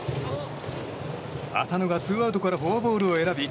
浅野がツーアウトからフォアボールを選び